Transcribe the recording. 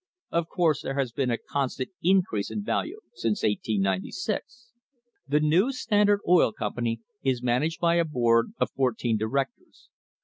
f Of course there has been a constant increase in value since 1896. The new Standard Oil Company is managed by a board of fourteen directors.